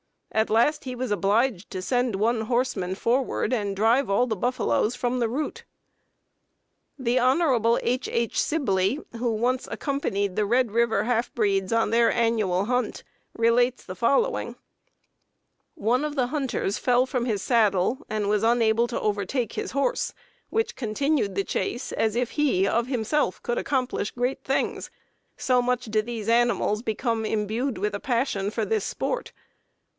At last he was obliged to send one horseman forward and drive all the buffaloes from the route." The Hon. H. H. Sibley, who once accompanied the Red River half breeds on their annual hunt, relates the following: "One of the hunters fell from his saddle, and was unable to overtake his horse, which continued the chase as if he of himself could accomplish great things, so much do these animals become imbued with a passion for this sport!